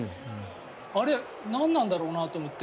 あれ、何なんだろうなと思って。